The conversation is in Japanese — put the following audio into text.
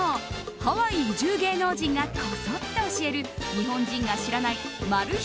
ハワイ移住芸能人がコソッと教える日本人が知らないマル秘